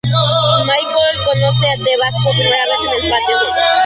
Michael conoce a T-Bag por primera vez en el patio.